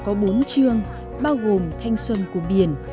cuộc đua thợ xanh thành phố năm nay có bốn trường bao gồm thanh xuân của biển